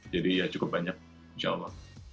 jadi ya cukup banyak insya allah